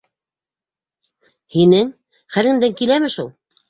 Һинең... хәлеңдән киләме шул?